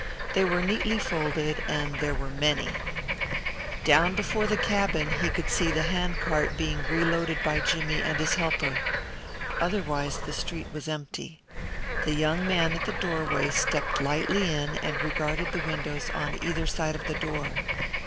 They were neatly folded, and they were many. Down before the cabin he could see the handcart being reloaded by Jimmie and his helper. Otherwise the street was empty. The young man at the doorway stepped lightly in and regarded the windows on either side of the door.